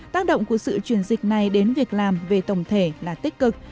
tác động của sự chuyển dịch này đến việc làm về tổng thể là tích cực